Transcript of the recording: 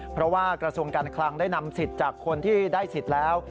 เพราะว่ากระทรวงการคลังได้นำสิทธิ์จากคนที่ได้สิทธิ์แล้ว